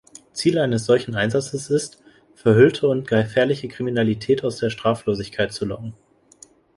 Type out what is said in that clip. Ziel eines solchen Einsatzes ist, verhüllte und gefährliche Kriminalität aus der Straflosigkeit zu locken.